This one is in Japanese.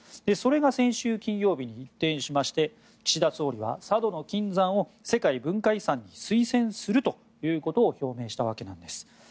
それが先週金曜日に一転しまして岸田総理は佐渡島の金山を世界文化遺産に推薦すると表明したわけなんです。